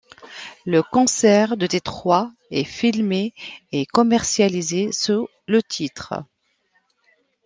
Le concert de Détroit est filmé et commercialisé, sous le titre '.